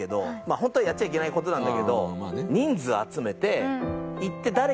ホントはやっちゃいけない事なんだけど。